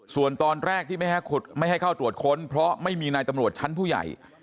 ส่วนตอนแรกที่ไม่ให้เข้าตรวจค้นเพราะไม่มีนายตำรวจชั้นผู้ใหญ่